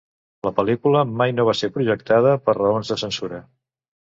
La pel·lícula mai no va ser projectada per raons de censura.